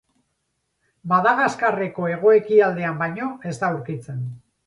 Madagaskarreko hego-ekialdean baino ez da aurkitzen.